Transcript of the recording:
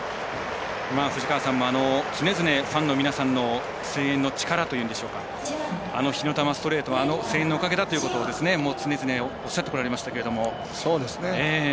藤川さんも常々ファンの皆さんの声援の力というんでしょうかあの火の玉ストレートはあの声援のおかげだと、常々おっしゃってこられましたけど。